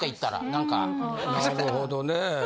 なるほどね。